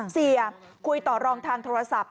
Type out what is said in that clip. เสียคุยต่อรองทางโทรศัพท์